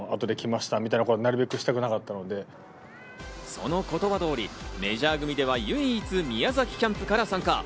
その言葉通り、メジャー組では唯一、宮崎キャンプから参加。